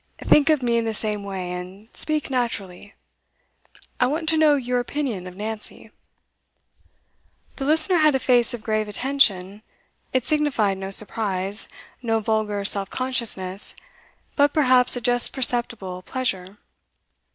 Think of me in the same way, and speak naturally. I want to know your opinion of Nancy.' The listener had a face of grave attention: it signified no surprise, no vulgar self consciousness, but perhaps a just perceptible pleasure.